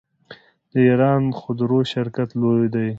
د ایران خودرو شرکت لوی دی.